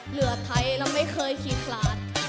เหลือไทยเราไม่เคยคิดพลาด